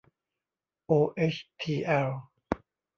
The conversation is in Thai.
โอเอชทีแอล